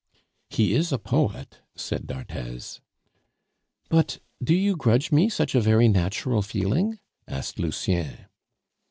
"He is a poet," said d'Arthez. "But do you grudge me such a very natural feeling?" asked Lucien.